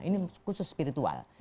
ini khusus spiritual